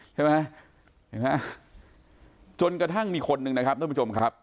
ใช่ไหมจนกระทั่งมีคนหนึ่งนะครับทุกผู้ชมครับ